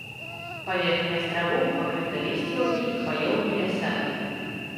Паверхня астравоў пакрыта лісцевымі і хваёвымі лясамі.